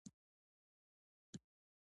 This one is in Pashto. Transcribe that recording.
ټیکنالوژي باید په سمه توګه وکارول سي.